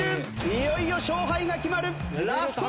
いよいよ勝敗が決まるラストダンス！